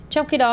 trong khi đó